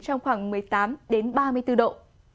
trong khoảng một mươi tám ba mươi bốn độ